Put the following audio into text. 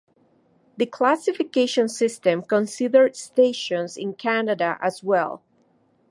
The classification system considered stations in Canada as well.